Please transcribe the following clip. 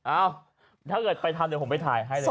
อ้าวถ้าเกิดไปทำเดี๋ยวผมไปถ่ายให้เลย